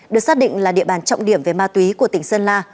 được xác định là địa bàn trọng điểm về ma túy của tỉnh sơn la